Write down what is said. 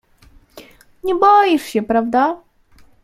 "Nie boisz się, prawda?"